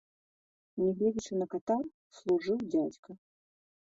Нягледзячы на катар, служыў дзядзька.